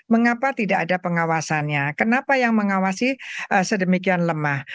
mengapa tidak ada pengawasannya kenapa yang mengawasi sedemikian lemah